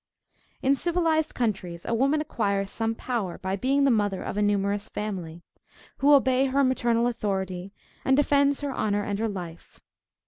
In civilized countries a woman acquires some power by being the mother of a numerous family, who obey her maternal authority, and defends her honor and her life.